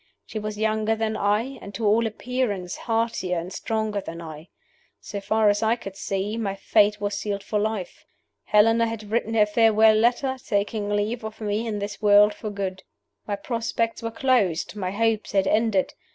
He was younger than I, and, to all appearance, heartier and stronger than I. So far as I could see, my fate was sealed for life. Helena had written her farewell letter, taking leave of me in this world for good. My prospects were closed; my hopes had ended.